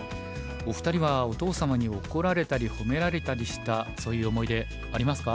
お二人はお父様に怒られたり褒められたりしたそういう思い出ありますか？